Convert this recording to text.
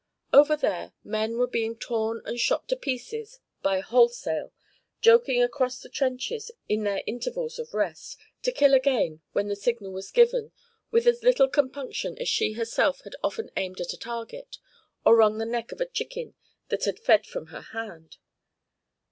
Over there men were being torn and shot to pieces by wholesale, joking across the trenches in their intervals of rest, to kill again when the signal was given with as little compunction as she herself had often aimed at a target, or wrung the neck of a chicken that had fed from her hand.